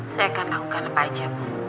saya akan lakukan apa saja bu